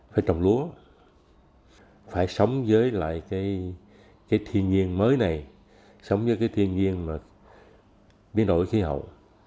phải trồng lúa phải sống với lại cái thiên nhiên mới này sống với cái thiên nhiên biến đổi khí hậu